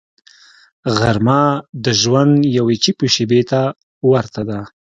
غرمه د ژوند یوې چوپې شیبې ته ورته ده